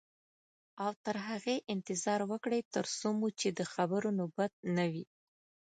او تر هغې انتظار وکړئ تر څو مو چې د خبرو نوبت نه وي.